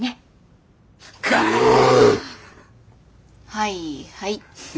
はいはい。